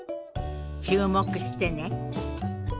注目してね。